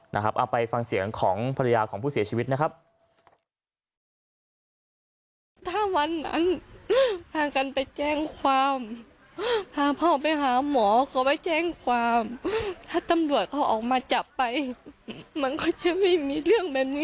เอาไปฟังเสียงของภรรยาของผู้เสียชีวิตนะครับ